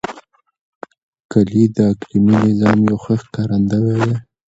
کلي د اقلیمي نظام یو ښه ښکارندوی دی.